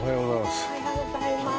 おはようございます。